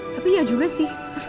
tapi iya juga sih